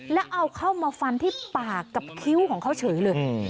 แล้วเอาเข้ามาฟันที่ปากกับคิ้วของเขาเฉยเลย